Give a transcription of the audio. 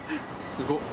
すごっ！